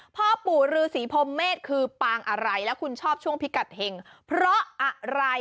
พ่อปู่ฤษีพรมเมษคือปางอะไรแล้วคุณชอบช่วงพิกัดเห็งเพราะอะไร